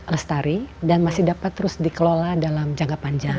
lestari dan masih dapat terus dikelola dalam jangka panjang